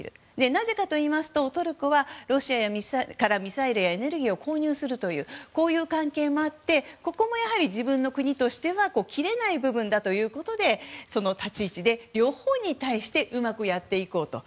なぜかといいますとトルコは、ロシアからミサイルやエネルギーを購入するというこういう関係もあってここもやはり自分の国としては切れない部分だということでその立ち位置で両方に対してうまくやっていこうと。